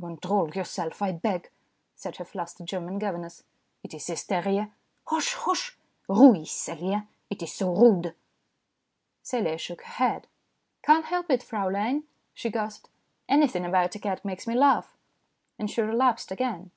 "Control yourself, I beg," said her flustered German governess. " It is hysteria. Hosh ! hosh ! Ruhig ! Celia ! It is so rude." Celia shook her head. " Can't help it, Fraulein," she gasped. " Anything about a cat makes me laugh." And she relapsed again.